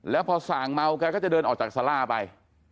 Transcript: แล้วพอส่างเมาแกก็จะเดินออกจากสาราไป